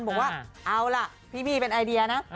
บอกว่าพี่บี้เป็นไอเดียนะ